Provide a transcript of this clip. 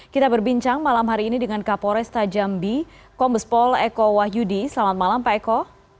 kita berbincang malam hari ini dengan kapolresta jambi kombespol eko wahyudi selamat malam pak eko